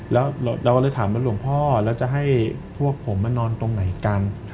แล้วเราก็เลยถามว่าหลวงพ่อแล้วจะให้พวกผมมานอนตรงไหนกัน